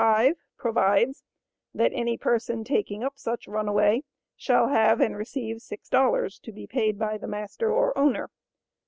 5, provides, 'That any person taking up such runaway, shall have and receive $6,' to be paid by the master or owner.